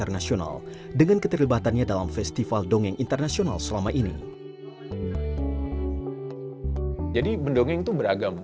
jadi mendongeng itu beragam